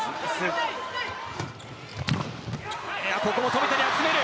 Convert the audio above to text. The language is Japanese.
ここも富田に集める。